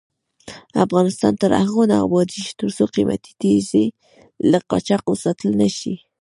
افغانستان تر هغو نه ابادیږي، ترڅو قیمتي تیږې له قاچاق وساتل نشي.